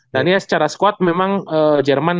dan ya secara squad memang jerman